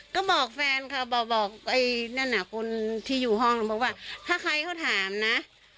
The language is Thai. ก็บอกแฟนค่ะบอกไอ้นั่นน่ะคนที่อยู่ห้องบอกว่าถ้าใครเขาถามนะ